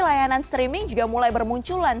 layanan streaming juga mulai bermunculan